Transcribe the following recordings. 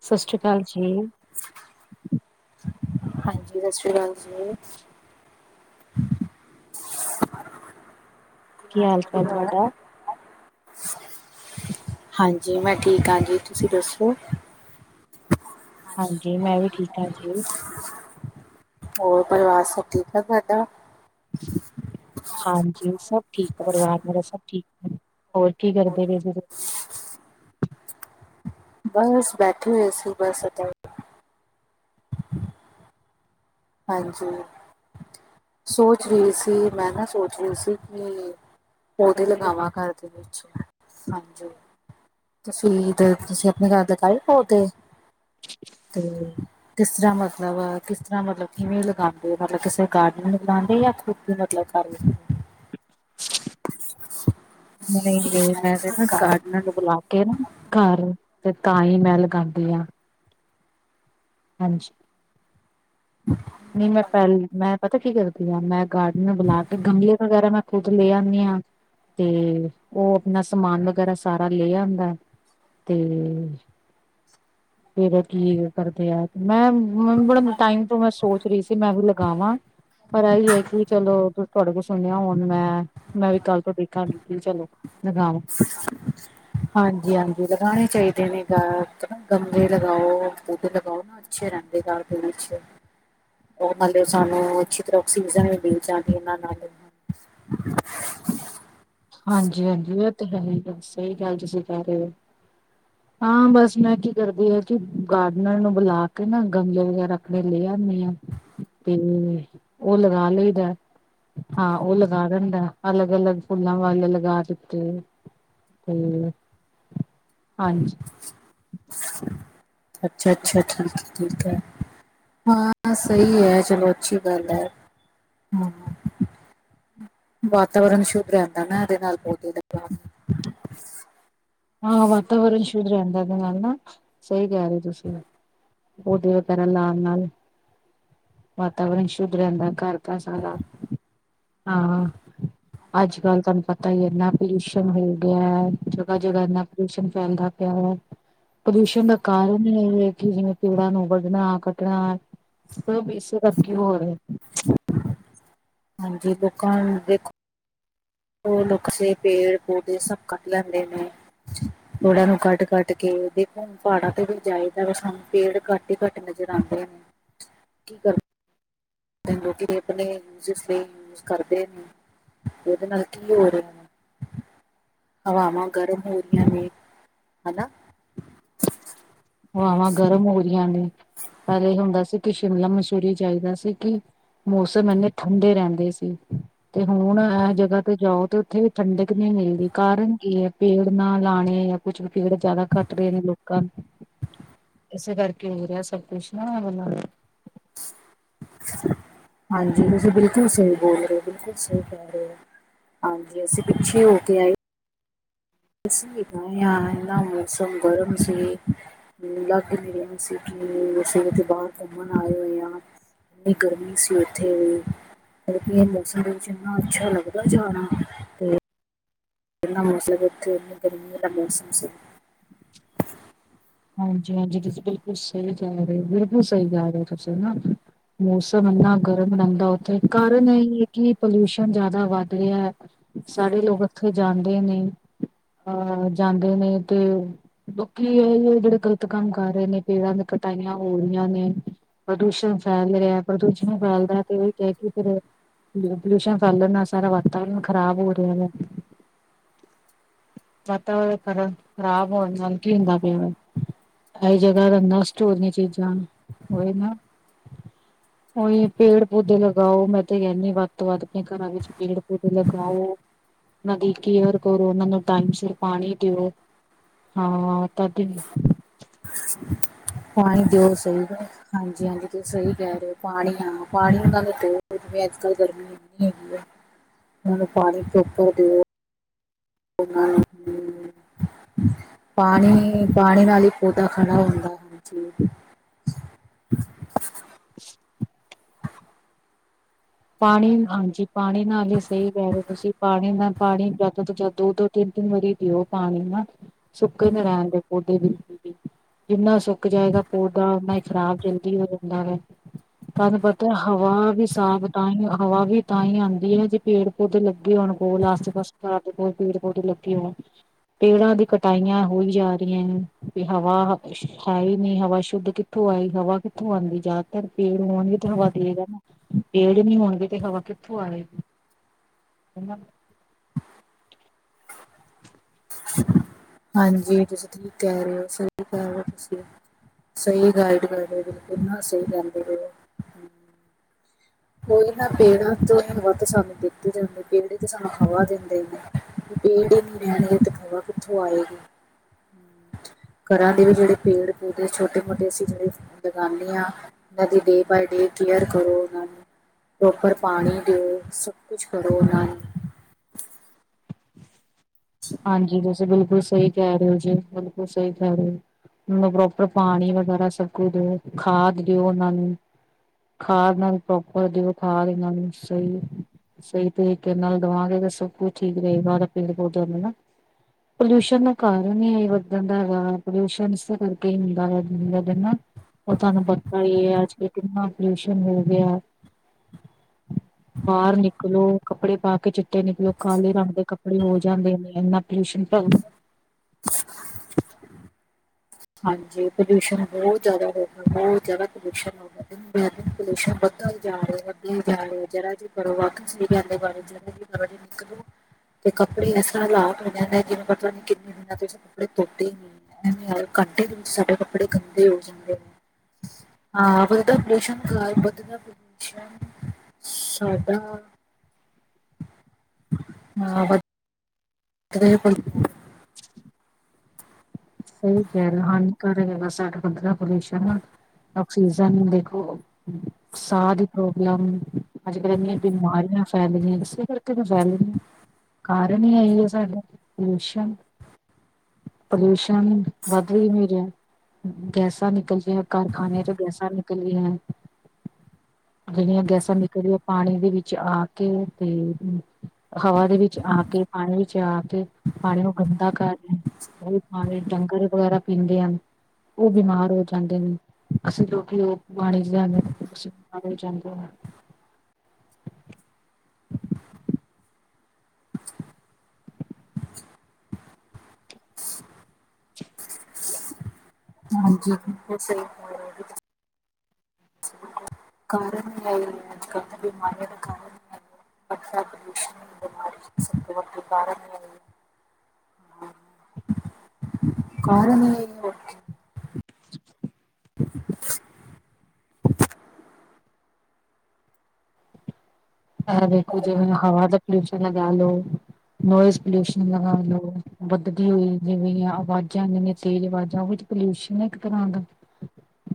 ਸਤਿ ਸ਼੍ਰੀ ਅਕਾਲ ਜੀ। ਹਾਂਜੀ, ਸਤਿ ਸ੍ਰੀ ਅਕਾਲ ਜੀ। ਕੀ, ਹਾਲ ਚਾਲ ਤੁਹਾਡਾ? [unintelligible] [inaudible] ਹਾਂਜੀ, ਮੈਂ ਠੀਕ ਹਾਂ ਜੀ, ਤੁਸੀਂ ਦੱਸੋ? ਹਾਂਜੀ, ਮੈਂ ਵੀ ਠੀਕ ਹਾਂ ਜੀ। ਹੋਰ, ਪਰਿਵਾਰ ਸਭ ਠੀਕ ਠਾ ਤੁਹਾਡਾ? ਹਾਂਜੀ, ਸਭ ਠੀਕ ਆ, ਪਰਿਵਾਰ ਮੇਰਾ ਸਭ ਠੀਕ, ਹੋਰ ਕੀ ਕਰਦੇ ਵੇ? ਬਸ, ਬੈਠੇ ਹੋਏ ਸੀ ਬਸ ਅਤੇ [inaudible] ਹਾਂਜੀ, ਸੋਚ ਰਹੀ ਸੀ, ਮੈਂ ਨਾ ਸੋਚ ਰਹੀ ਸੀ, ਕਿ ਉਹਦੇ ਲਗਾਵਾਂ, ਘਰ ਦੇ ਵਿੱਚ ਸਾਂਝੂ ਤੁਸੀਂ-ਤੇ ਤੁਸੀਂ ਆਪਣੇ ਘਰ ਤੱਕ ਆਏ। ਉਹ, ਤੇ- ਤੇ ਕਿਸ ਤਰ੍ਹਾਂ ਮਤਲਬ ਕਿਸ ਤਰ੍ਹਾਂ ਮਤਲਬ ਕਿਵੇਂ ਲਗਾਉਂਦੇ, ਮਤਲਬ ਕਿਸੇ ਗਾਰਡਨਗ ਚ ਲਗਾਉਂਦੇ, ਜਾਂ ਖੁਦ ਮਤਲਬ ਕਰ [inaudible] ਨਹੀਂ- ਨਹੀਂ ਮੈਂ ਤੇ ਨਾ ਗਾਰਡਨਾਂ, ਨੂੰ ਬੁਲਾ ਕੇ ਨਾ ਘਰ ਤੇ, ਤਾਂ ਹੀ ਮੈਂ ਲਗਾਉਂਦੀ ਹਾਂ। ਹਾਂਜੀ, ਨਹੀਂ ਮੈਂ, ਪਹਿਲ ਮੈਂ ਪਤਾ ਕੀ ਕਰਦੀ ਹਾਂ, ਮੈਂ ਗਾਰਡਨ ਨੂੰ ਬੁਲਾ ਕੇ ਗਮਲੇ, ਵਗੈਰਾ ਮੈਂ ਖੁੱਦ, ਲੈ ਆਉਦੇ ਹਾਂ ਤੇ, ਉਹ ਆਪਣਾ ਸਮਾਨ ਵਗੈਰਾ, ਸਾਰਾ ਲੈ ਆਉਂਦਾ ਤੇ, ਫਿਰ ਕੀ ਕਰਦੇ ਆ ਮੈਂ, ਬੜੇ ਟਾਈਮ ਤੋਂ ਮੈਂ ਸੋਚ ਰਹੀ ਸੀ, ਮੈਂ ਵੀ ਲਗਾਵਾਂ ਪਰ ਇਹੀ ਹੈ ਕਿ, ਚਲੋ ਤੁਹਾਡੇ ਕੋਲ ਸੁਣਿਆ ਹੁਣ ਮੈਂ -ਮੈਂ ਵੀ ਕੱਲ ਤੋਂ, ਦੇਖਾਂ ਡਕ ਚਲੋ ਲਗਾਵਉਂ ਹਾਂਜੀ -ਹਾਂਜੀ ਲਗਾਉਣੇ ਚਾਹੀਦੇ ਨੇ, ਗ ਨਾ ਗੰਮਲੇ ਲਗਾਓ ਬਧ ਲਗਾਓ? ਪਿਛੇ ਰਹਿੰਦੇ, ਘਰ ਦੇ ਵਿੱਚ ਉਹ ਮਤਲਬ, ਸਾਨੂੰ ਅੱਛੀ ਤਰ੍ਹਾਂ ਆਕਸੀਜਨ ਵੀ ਮਿਲ ਜਾਂਦੀ, ਇਹਨਾਂ ਨਾਲ ਹਾਂਜੀ- ਹਾਂਜੀ ਇਹ ਤਾਂ ਹੈ ਸਹੀ ਗੱਲ ਤੁਸੀਂ, ਕਹਿ ਰਹੇ ਹੋ। ਹਾਂ ਬਸ, ਮੈਂ ਕੀ ਕਰਦੀ ਹ ਕਿ ਗਾਰਡਨਰ ਨੂੰ ਬੁਲਾ ਕੇ, ਨਾ ਗਮਲੇ ਵਗੈਰਾ, ਆਪਣੇ ਲੈ ਆਉਦੀ ਹ ਤੇ ਉਹ ਲਗਾ ਲਈਦਾ, ਹਾਂ ਉਹ ਲਗਾ ਦਿੰਦਾ ਅਲੱਗ -ਅਲੱਗ ਫੁੱਲਾਂ, ਵਾਲੇ ਲਗਾ ਦਿਤੇ, ਹੋਰ, ਹਾਂਜੀ। ਅੱਛਾ -ਅੱਛਾ ਠੀਕ ਹੈ ਠੀਕ ਹੈ। ਹਾਂ, ਸਹੀ ਹੈ, ਚਲੋ ਅੱਛੀ ਗੱਲ ਹੈ। ਵਾਤਾਵਰਨ, ਸ਼ੁੱਧ ਰਹਿੰਦਾ ਨਾ ਇਹਦੇ ਨਾਲ ਪੌਦੇ ਹਾਂ ਵਾਤਾਵਰਨ ਸ਼ੁੱਧ ਰਹਿੰਦਾ, ਇਹਦੇ ਨਾਲ ਨਾ ਸਹੀ ਕਹਿ ਰਹੇ, ਹੋ ਤੁਸੀਂ? ਪੌਦੇ ਵਗੈਰਾ ਲਾਉਣ ਨਾਲ ਵਾਤਾਵਰਨ ਸ਼ੁੱਧ ਰਹਿੰਦਾ ਘਰ ਸਾਰਾ [inaudible] ਹਾਂ, ਅੱਜ- ਕੱਲ੍ਹ ਤੁਹਾਨੂੰ ਪਤਾ ਹੀ ਇਨਾ ਪੋਲਿਊਸ਼ਨ, ਹੋ ਗਿਆ ਜੇਹੜਾ, ਇੰਨਾ ਪੋਲੂਸ਼ਨਣ ਫੈਲਦਾ ਪਿਆ ਹੈ। ਪ੍ਰਦਿਊਸ਼ਣ ਦਾ ਕਾਰਨ, ਇਹ ਹੈ ਕਿ ਜਿਵੇਂ, ਪੇੜਾਂ ਨੂੰ ਵੱਢਣਾ ਕੱਟਣਾ [unintelligible] [inaudible] [inaudible] ਹਾਂਜੀ, ਕੋ ਕੱਲ ਦੇਖੋ ਉਹ ਨੁਕਸੇ ਪੇੜ, ਪੌਦੇੇ, ਸਭ ਕੱਟ ਲੈਂਦੇ ਨੇ, ੜਾਂ ਨੂੰ, ਕੱਟ -ਕੱਟ ਕੇ ਉਹ ਪਹਾੜਾਂ ਤੇ ਵੀ ਜਾਈਦਾ ਵ ਸਾਨੂੰ ਪੇੜ ਕੱਟ, ਹੀੱ ਨਜ਼ਰ, ਆਉਂਦੇ ਨੇ ਕੀ ਕਰਦੇ ਲੋਕੀ, ਆਪਣੇ ਵਾਸਤੇ ਯੂਜ ਕਰਦੇ ਨੇ, ਇਹਦੇ ਨਾਲ ਕੀ ਹੋ ਰਿਹਾ ਵਾ? ਹਵਾਵਾ ਗਰਮ ਹੋ ਰਿਆ ਨੇ। ਹਨਾ? ਹਵਾਵਾਂ ਗਰਮ ਹੋ ਰਈਆਂ ਨੇ, ਪਹਿਲੇ ਇਹ ਹੁੰਦਾ ਸੀ ਕਿ ਸ਼ਿਮਲਾ, ਮਸੂਰੀ ਜਾਈਦਾ ਸੀ ਕਿ ਮੌਸਮ ਇੰਨੇ ਠੰਡੇ ਰਹਿੰਦੇ ਸੀ। ਤੇ ਹੁਣ ਇਹ ਜਗ੍ਹਾ ਤੇ ਜਾਓ, ਤੇ ਉੱਥੇ ਵੀ ਠੰਡਕ ਨਹੀਂ ਮਿਲਦੀ, ਕਾਰਨ ਕੀ ਹੈ? ਪੇੜ ਨਾ ਲਾਣੇ ਕੁਛ ਵੀ ਪੇੜ ਜ਼ਿਆਦਾ ਘੱਟ ਰਹੇ ਨੇ ਲੋਕਾਂ ਨੂੰ। ਇਸੇ ਕਰਕੇ ਹੋ ਰਿਆ ਸਭ ਕੁਛ ਨਾ [unintelligible] ਹਾਂਜੀ, ਤੁਸੀਂ ਬਿਲਕੁਲ ਸਹੀ ਬੋਲ ਰਹੇ ਹੋ, ਬਿਲਕੁਲ ਸਹੀ ਕਹਿ ਰਹੇ ਹੋ। ਹਾਂਜੀ, ਅਸੀਂ ਪਿੱਛੇ ਹੋ ਕੇ ਆਏ। ਅਸੀਂ ਵੀ ਗਏ ਆ, ਇਨਾ ਮੌਸਮ ਗਰਮ ਸੀ। ਲੱਗ ਈ ਨਈ ਰਿਆ ਸੀ ਕਿ ਅਸੀ ਉਥੇ ਬਾਹਰ ਘੁੰਮਣ ਆਏ ਹੋਏ ਆ। ਇੰਨੀ ਗਰਮੀ ਸੀ ਉੱਥੇ ਵੀ। ਕਿਉਂਕਿ ਏਹ ਮੌਸਮ ਵਿੱਚ, ਇੰਨਾ ਅੱਛਾ ਲੱਗਦਾ ਜਾਣਾ। ਇਨ੍ਹਾਂ ਮੌਸਮ ਵਿੱਚ, ਇੰਨੀ ਗਰਮੀ ਵਾਲਾ ਮੌਸਮ ਸੀ। ਹਾਂਜੀ-ਹਾਂਜੀ, ਤੁਸੀਂ ਬਿਲਕੁਲ ਸਈ ਕੇਹ ਰਹੇ ਹੋ, ਬਿਲਕੁਲ ਸਈ ਜਾ ਰਹੇ ਹੋ ਤੁਸੀਂ ਨਾ। ਮੌਸਮ ਇੰਨਾ ਗਰਮ ਰੇਂਦਾ ਉੱਥੇ, ਕਾਰਨ ਐ ਈ ਏ ਕਿ ਪੋਲਿਊਸ਼ਨ ਜ਼ਿਆਦਾ ਵੱਧ ਰਿਆ ਏ, ਸਾਰੇ ਲੋਕ ਉੱਥੇ ਜਾਂਦੇ ਨੇ। ਅਹ ਜਾਂਦੇ ਨੇ, ਤੇ ਲੋਕੀ ਐ ਹੀ ਏ ਜਿਹੜੇ ਗ਼ਲਤ ਕੰਮ ਕਰ ਰਹੇ ਨੇ, ਪੇੜਾਂ ਦੀ ਕਟਾਈਆਂ ਹੋ ਰਹੀਆਂ ਨੇ ਪ੍ਰਦੂਸ਼ਣ ਫੈਲ ਰੇਆ, ਪ੍ਰਦੂਸ਼ਣ ਫੈਲਦਾ ਹੈ ਤੇ ਉਹੀ ਕਹਿ ਕੇ ਫਿਰ ਪੋਲੂ ਪਲੂਸ਼ਨ ਫੈਲਣ ਨਾਲ, ਸਾਰਾ ਵਾਤਾਵਰਨ ਖਰਾਬ ਹੋ ਰਿਆ ਆ। ਵਾਤਾਵਰਨ ਖਰਨ, ਖ਼ਰਾਬ ਹੋਣ ਨਾਲ ਕੀ ਹੁੰਦਾ ਪਿਆ ਵੇ? ਐਈ ਜਗ੍ਹਾ ਰੱਖਣਾ, ਸਟੋਰ ਦੀਆਂ ਚੀਜ਼ਾਂ ਨੂੰ, ਹੋਏ ਨਾ। ਉਈ ਪੇੜ ਪੌਦੇ ਲਗਾਓ, ਮੈਂ ਤੇ ਕਹਿੰਣੀ ਵੱਧ ਤੋਂ ਵੱਧ ਆਪਣੇ ਘਰਾਂ ਵਿੱਚ ਪੇੜ ਪੌਦੇ ਲਗਾਓ। ਉਹਨਾਂ ਦੀ ਕੇਅਰ ਕਰੋ, ਉਹਨਾਂ ਨੂੰ ਟਾਈਮ ਸਿਰ ਪਾਣੀ ਦਿਓ। ਹਾਂ ਤਦੇ। ਪਾਣੀ ਦਿਓ ਚਾਹੀਦਾ ਹਾਂਜੀ-ਹਾਂਜੀ ਤੁਸੀਂ ਸਈ ਕਹਿ ਰਹੇ ਹੋ, ਪਾਣੀ ਹਾਂ, ਪਾਣੀ ਉਹਨਾਂ ਨੂੰ ਦੋ, ਜਿਵੇੰ ਅੱਜ ਕੱਲ੍ਹ ਗਰਮੀ ਏ। ਗਰਮੀ ਹੈਗੀ ਏ, ਉਹਨੂੰ ਪਾਣੀ, ਧੁਪ ਦਿਓ। ਪਤਾ ਨੀ [unintelligible] ਪਾਣੀ, ਪਾਣੀ ਨਾਲ ਈ ਪੌਦਾ ਖੜਾ ਹੁੰਦਾ ਹੈ, ਹਾਂਜੀ। [unintelligible] ਪਾਣੀ ਹਾਂਜੀ, ਪਾਣੀ ਨਾਲ ਈ ਸਈ ਕੇਹ ਰਹੇ ਹੋ ਤੁਸੀਂ। ਪਾਣੀ ਨਾ ਪਾਣੀ, ਜਦ ਤੋਂ ਜਦ ਦੋ-ਦੋ ਤਿੰਨ-ਤਿੰਨ ਵਾਰੀ ਦੀਓ ਪਾਣੀ ਨਾ। ਸੁੱਕੇ ਨਾ ਰੇਣ ਦੇਉ ਪੌਦੇੇ ਬਿਲਕੁਲ ਵੀ। ਜਿੰਨਾ ਸੁੱਕ ਜਾਏਗਾ ਪੌਦਾ, ਉਹਨਾਂ ਹੀ ਖ਼ਰਾਬ ਜਲਦੀ ਹੋ ਜਾਂਦਾ ਵੇ। ਤੁਆਨੂੰ ਪਤਾ ਹੈ, ਹਵਾ ਵੀ ਸਾਫ਼ ਤਾਂ ਹੀ, ਹਵਾ ਵੀ ਤਾਂ ਹੀ ਆਉਂਦੀ ਹੈ, ਜੇ ਪੇੜ ਪੌਦੇ ਲੱਗੇ ਹੋਣ ਕੋਲ, ਆਸੇ ਪਾਸੇ ਘਰ ਦੇ ਕੋਲ, ਪੇੜ ਪੌਦੇ ਲੱ ਗੇ ਹੋਣ, ਪੇੜਾਂ ਦੀ ਕਟਾਈਆਂ ਹੋਈ ਜਾ ਰਈ ਐ, ਤੇ ਹਵਾ ਹੈ ਈ ਨਈ, ਹਵਾ ਸ਼ੁੱਧ ਕਿੱਥੋਂ ਆਏ, ਹਵਾ ਕਿੱਥੋਂ ਆਉਂਦੀ ਜ਼ਿਆਦਾਤਰ, ਪੇੜ ਹੋਣਗੇ ਤੇ ਹਵਾ ਦੇਗਾ ਨਾ। ਪੇੜ ਨੀ ਹੋਣਗੇ, ਤੇ ਹਵਾ ਕਿੱਥੋਂ ਆਏਗੀ? ਹਾਂਜੀ, ਤੁਸੀਂ ਠੀਕ ਕਹਿ ਰਹੇ ਹੋ, ਸਈ ਕਹਿ ਰਹੇ ਹੋ ਤੁਸੀਂ। ਸਈ ਗਾਈਡ ਕਰਦੇ ਬਿਲਕੁਲ ਨਾ, ਸਈ ਕਹਿੰਦੇ ਬਏ ਔ। ਕੋਈ ਨਾ ਪੇੜਾ [unintelligible] ਤੋਂ ਵੱਧ ਸਾਨੂੰ ਦਿੱਤੀ ਜਾਂਦੀ, ਪੇੜ ਈ ਤੇ ਸਾਨੂੰ ਹਵਾ ਦਿੰਦੇ ਨੇ, ਪੇੜ ਈ ਨੀ ਰਹਿਣਗੇ ਤੇ ਖਵਾ ਕਿੱਥੋਂ ਆਏਗੀ? [unintelligible] ਘਰਾਂ ਦੇ ਵੀ ਜਿਹੜੇ ਪੇੜ ਪੌਦੇੇ, ਛੋਟੇ ਮੋਟੇ, ਅਸੀਂ ਜਿਹੜੇ ਲਗਾਣੇ ਆ ਉਨ੍ਹਾਂ ਦੀ ਡੇ ਬਾਏ ਡੇ ਕੇਅਰ ਕਰੋ ਓਨਾਂ ਨੂੰ। ਪ੍ਰੋਪਰ ਪਾਣੀ ਦਿਓ, ਸਭ ਕੁਛ ਕਰੋ ਓਨਾਂ ਨੂੰ। [inaudible] ਹਾਂਜੀ, ਤੁਸੀ ਬਿਲਕੁਲ ਸਈ ਕਹਿ ਰਹੇ ਹੋ ਜੀ। ਬਿਲਕੁਲ ਸਈ ਕਹਿ ਰਹੇ ਓ। ਓਨੂੰ ਪ੍ਰੋਪਰ ਪਾਣੀ ਵਗੈਰਾ ਸਭ ਕੁਛ ਦਿਓ। ਖਾਦ ਦਿਓ ਓਨਾਂ ਨੂੰ। ਖਾਦ ਨਾਲ ਪ੍ਰੋਪਰ ਦਿਓ, ਖਾਦ ਏਨਾਂ ਨੂੰ ਸਈ ਏ। ਸਹੀ ਤਰੀਕੇ ਨਾਲ ਦਵਾਂਗੇ ਤੇ ਸਭ-ਕੁਝ ਠੀਕ ਰਹੇਗਾ ਓਰਾ ਪੇੜ-ਪੌਦੇਆਂ ਨੂੰ ਨਾ। ਪੋਲਿਊਸ਼ਨ ਦਾ ਕਾਰਨ ਹੀ ਵੱਧ ਜਾਂਦਾ ਹੈਗਾ ਪੋਲਿਊਸ਼ਨ ਇਸੇ ਕਰਕੇ ਹੁੰਦਾ ਐ ਦਿਨੋ-ਦਿਨ ਨਾ। ਓ ਤੁਹਾਨੂੰ ਪਤਾ ਈ ਐ ਅੱਜ-ਕਲ੍ਹ ਕਿੰਨਾ ਪੋਲਿਊਸ਼ਨ ਹੋ ਗਿਆ। ਬਾਹਰ ਨਿਕਲੋ ਕੱਪੜੇ ਪਾ ਕੇ ਚਿੱਟੇ ਨਿਕਲੋ ਕਾਲੇ ਰੰਗ ਦੇ ਕੱਪੜੇ ਹੋ ਜਾਂਦੇ ਨੇ ਇੰਨਾ ਪੋਲਿਊਸ਼ਨ ਭਰ ਹਾਂਜੀ ਪੋਲਿਊਸ਼ਨ ਬਹੁਤ ਜ਼ਿਆਦਾ ਹੋ ਗਿਆ ਬਹੁਤ ਜ਼ਿਆਦਾ ਪੋਲਿਊਸ਼ਨ ਹੋ ਗਿਆ। ਦਿਨੋ-ਦਿਨ ਪੋਲਿਊਸ਼ਨ ਵੱਧਧਾ ਹੀ‌ ਜਾ ਰਿਹਾ- ਵੱਧਧਾ ਹੀ ਜਾ ਰਿਹਾ ਜਰਾ ਜੀ ਕਰੋਵਾਸੀ ਲੈਂਦੇ ਇਹਦੇ ਬਾਰੇ ਚ ਮੈਨੂੰ ਵੀ ਡਰਾਈਵ ਕਰੋ। ਤੇ ਕੱਪੜੇ ਐਸਰ੍ਹਾਂ ਲਾਲ ਹੋ ਜਾਂਦੇ ਜਿਵੇ ਪਤਾ ਨੀ ਕਿੰਨੇ ਦਿਨਾਂ ਦਬਾ ਤੋਂ ਕੱਪੜੇ ਧੋਤੇ ਨੀ ਘੰਟੇ ਦੇ ਵਿੱਚ ਸਾਡੇ ਕੱਪੜੇ ਖੰਦੇ ਹੋ ਜਾਂਦੇ ਨ ਹਾਂ ਵਧਦਾ ਪੋਲਿਊਸ਼ਨ ਕਾਰਨ ਵਧਦਾ ਪੋਲਿਊਸ਼ਨ ਸਾਡਾ ਹਾਂ ਵਧ ਅ [unintelligible] [unintelligible] ਸਹੀ ਕਹਿ ਰਹੇ ਹੋ ਹਾਨਿਕਾਰਕ ਹੈਗਾ ਸਾਡਾ ਪੰਦਰਾ ਪੋਲਿਊਲਸ਼ਨ ਨਾ ਆੱਕਸੀਜ਼ਨ ਦੇਖੋ ਸਾਹ ਦੀ ਪ੍ਰੋਬਲਮ। ਅੱਜ-ਕੱਲ੍ਹ ਇੰਨੀਆਂ ਬਿਮਾਰੀਆਂ ਫੈਲਗੀਆਂ [unintelligible] ਇੱਥੇ ਵੀ ਫੈਲਰੀਆਂ। ਕਾਰਨ ਈ ਐ ਈ ਏ ਸਾਡਾ ਪੋਲਊਸ਼ਨ। ਪੋਲਿਊਸ਼ਨ ਵੱਧ ਇਨ ਰਿਹਾ ਗੈਸਾਂ ਨਿਕਲਦੀਆਂ ਕਾਰਖਾਨੇ ਚੋਂ ਗੈਸਾਂ ਨਿਕਲ ਕੱਲਇਆਂ ਜੇੜੀਆਂ ਗੈਸਾਂ ਨਿਕਲਦੀਆਂ ਪਾਣੀ ਦੇ ਵਿੱਚ ਆ ਕੇ ਤੇ ਹਵਾ ਦੇ ਵਿੱਚ ਆ ਕੇ ਪਾਣੀ ਵਿੱਚ ਆ ਕੇ ਪਾਣੀ ਨੂੰ ਗੰਦਾ ਕਰ ਰੇ ਪਾਣੀ ਡੰਗਰ ਵਗੈਰਾ ਪੀਂਦੇ ਹਨ ਔ ਬਿਮਾਰ ਹੋ ਜਾਂਦੇ ਨੇ। ਅਸੀ ਲੋਕੀ ਓ ਪਾਣੀ ਚ ਜਾਂਦੇ ਅਸੀਂ ਬੀਮਾਰ ਹੋ ਜਾਂਦੇ ਹਾ- [inaudible] ਹਾਂਜੀ ਬੋਤ ਸਹੀ। ਕਾਰਨ ਈ ਐਈ ਐ। ਅੱਜ-ਕੱਲ੍ਹ ਤਾਂ ਬਿਮਾਰੀਆਂ ਦਾ ਕਾਰਨ ਐ। [inaudible] ਕਾਰਨ ਈ ਇਹ ਈ ਓਕੇ। [unintelligible] ਅਹ ਦੇਖੋ ਜੇਵੇਂ ਹਵਾ ਦਾ ਪੋਲਊਸ਼ਨ ਲਗਾ ਲਓ। ਨੋਇਸ ਪੋਲਿਊਸ਼ਨ ਲਗਾ ਲਓ। ਵੱਧਦੀ ਹੋਈ ਜਿਵੇਂ ਆਵਾਜ਼ਾਂ ਆ ਜੀਆਂ ਤੇਜ਼ ਆਵਾਜ਼ਾਂ ਓਈ ਤ ਪੋਲਿਊਸ਼ਨ ਏ ਇੱਕ ਤਰ੍ਹਾਂ ਦਾ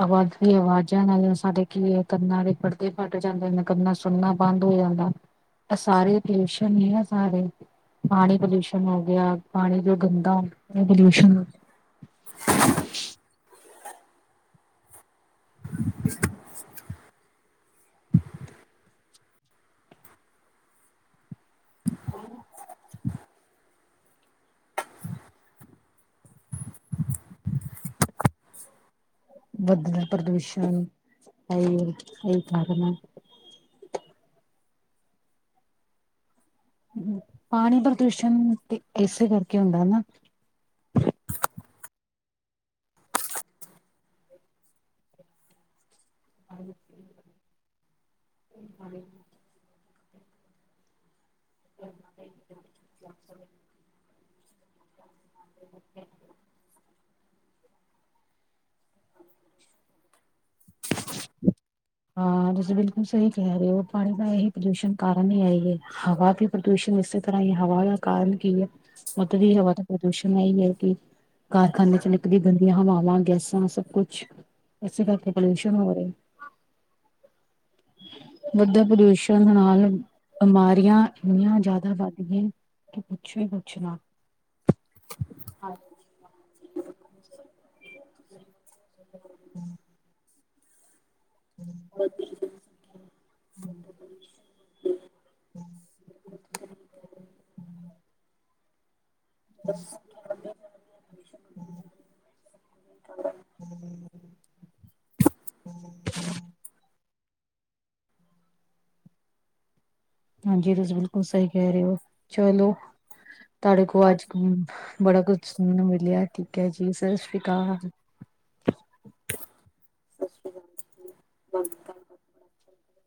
ਆਹੋ ਆਦੀ ਆਵਾਜ਼ਾਂ ਨਾਲ ਸਾਡੇ ਕੀ ਏ ਕੰਨਾ ਦੇ ਪਰਦੇ ਫਟ ਜਾਂਦੇ ਨੇ। ਕੰਨਾ ਸੁਣਨਾ ਬੰਦ ਹੋ ਜਾਂਦਾ। ਐ ਸਾਰੇ ਪੋਲਊਸ਼ਨ ਈ ਆ ਸਾਰੇ। ਪਾਣੀ ਪੋਲਿਊਸ਼ਨ ਹੋ ਗਿਆ। ਪਾਣੀ ਜੋ ਗੰਦਾ ਪੋਲਿਊਸ਼ਨ [unintelligible] ਵੱਧਦਾ ਪ੍ਰਦੂਸ਼ਣ ਐਈ ਐ ਈ ਕਾਰਨ ਐ। ਪਾਣੀ ਪ੍ਰਦੂਸ਼ਣ ਤੇ ਏਸੇ ਕਰਕੇ ਹੁੰਦਾ ਨਾ। [unintelligible] [inaudible] [unintelligible] ਹਾਂ ਤੁਸੀ ਬਿਲਕੁਲ ਸਹੀ ਕਹਿ ਰਹੇ ਓ ਪਾਣੀ ਦਾ ਇਹੀ ਪੋਲਊਸ਼ਨਣ ਕਾਰਨ ਹੀ ਐਈ ਏ। ਹਵਾ ਵੀ ਪ੍ਰਦੂਸ਼ਣ ਇਸੇ ਤਰ੍ਹਾਂ ਹੀ ਹਵਾ ਦਾ ਕਾਰਨ ਕੀ ਐ? ਉੱਧ ਦੀ ਹਵਾ ਤਾਂ ਪ੍ਰਦੂਸ਼ਣ ਇਹੀ ਹੈ ਕਿ ਕਾਰਖਾਨੇ ਚ ਨਿਕਲੀ ਗੰਦੀਆਂ ਹਵਾਵਾਂ ਗੈਸਾਂ ਸਭ ਕੁਛ ਇਸੇ ਕਰਕੇ ਪੋਲਿਊਸ਼ਨ ਹੋ ਰਹੇ। ਵੱਧਧੇ ਪ੍ਰਦੂਸ਼ਣ ਨਾਲ ਬਿਮਾਰੀਆਂ ਇੰਨੀਆਂ ਜ਼ਿਆਦਾ ਵੱਧ ਗ ਇਆ। ਕਿ ਪੁੱਛੋ ਹੀ ਕੁੱਛ ਨਾ। [unintelligible] [inaudible] [inaudible] [unintelligible] [inaudible] ਸਤਿ ਸ਼੍ਰੀ [unintelligible] [unintelligible] [unintelligible] [unintelligible] ਹਾਂਜੀ ਤੁਸੀ ਬਿਲਕੁਲ ਸਹੀ ਕਹਿ ਰਹੇ ਓ। ਚਲੋ। ਤੁਹਾਡੇ ਕੋਲ ਗੱਲ ਅੱਜ ਕਰਕੇ ਬੜਾ ਕੁਛ ਸੁਣਨ ਨੂੰ ਮਿਲਿਆ ਠੀਕ ਹੈ ਜੀ ਸਤਿ ਸ੍ਰੀ ਅਕਾਲ। ਸਤਿ ਸ੍ਰੀ ਅਕਾਲ ਜੀ।